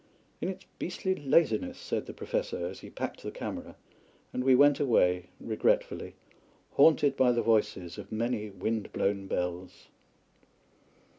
"In its Beastly Laziness," said the Professor, as he packed the camera, and we went away, regretfully, haunted by the voices of many wind blown bells.